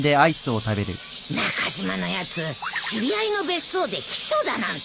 中島のやつ知り合いの別荘で避暑だなんて生意気な。